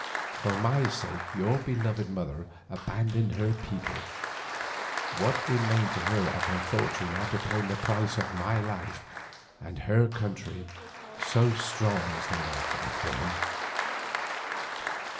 For my sake your beloved mother abandoned her people, what remained to her of her fortune after paying the price of my life, and her country, so strong is the love of woman.